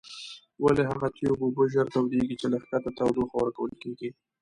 ولې هغه تیوب اوبه ژر تودیږي چې له ښکته تودوخه ورکول کیږي؟